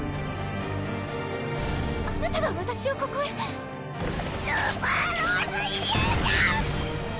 あなたが私をここへ⁉スーパー・ロースイリュージョン！